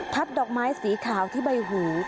ดอกไม้สีขาวที่ใบหู